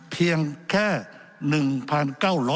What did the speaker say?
เพียงแค่๑๙๒๗ล้าน